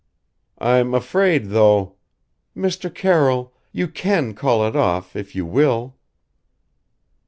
"I'm afraid, though " "Mr. Carroll you can call it off, if you will."